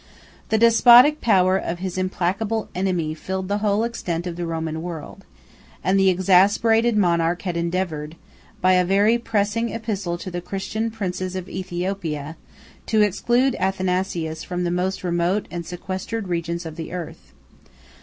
] The despotic power of his implacable enemy filled the whole extent of the Roman world; and the exasperated monarch had endeavored, by a very pressing epistle to the Christian princes of Ethiopia, 13711 to exclude Athanasius from the most remote and sequestered regions of the earth.